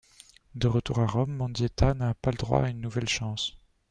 De retour à Rome, Mendieta n'a pas droit à une nouvelle chance.